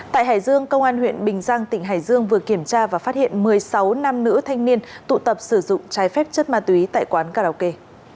tại hải dương công an huyện bình giang tỉnh hải dương vừa kiểm tra và phát hiện một mươi sáu nam nữ thanh niên tụ tập sử dụng trái phép chất ma túy tại quán karaoke